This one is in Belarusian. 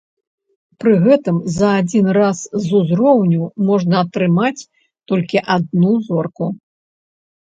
Пры гэтым за адзін раз з узроўню можна атрымаць толькі адну зорку.